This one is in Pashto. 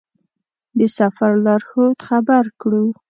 د سفر لارښود خبر کړو.